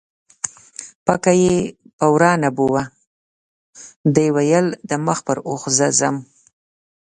پکه یې په وراه نه بیوه، دې ویل د مخ پر اوښ زه ځم